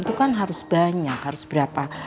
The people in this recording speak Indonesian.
itu kan harus banyak harus berapa